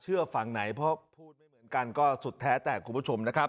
ฝั่งไหนเพราะพูดไม่เหมือนกันก็สุดแท้แต่คุณผู้ชมนะครับ